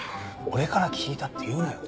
俺から聞いたって言うなよ。